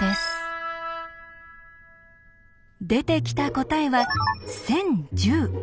出てきた答えは１０１０。